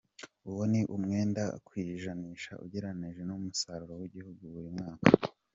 Uwo ni umwenda ku ijanisha ugeranije n’umusaruro w’igihugu buri mwaka.